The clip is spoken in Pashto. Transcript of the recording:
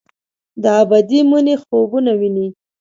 د ابدي مني خوبونه ویني